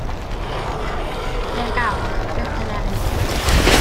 Mae ar gael fel cyffur generig.